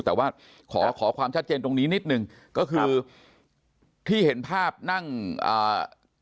แต่ว่าขอขอความชัดเจนตรงนี้นิดหนึ่งก็คือที่เห็นภาพนั่งอ่า